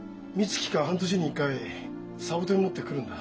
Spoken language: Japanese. つきか半年に一回サボテン持って来るんだ。